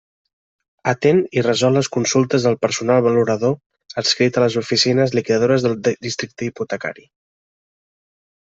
Atén i resol les consultes del personal valorador adscrit a les oficines liquidadores de districte hipotecari.